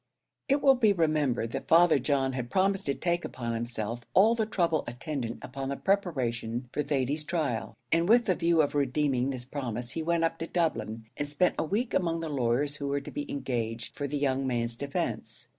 It will be remembered that Father John had promised to take upon himself all the trouble attendant upon the preparation for Thady's trial; and with the view of redeeming this promise he went up to Dublin and spent a week among the lawyers who were to be engaged for the young man's defence.